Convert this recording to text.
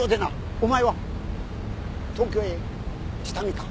お前は東京へ下見か？